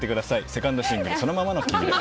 セカンドシングルそのままの君で。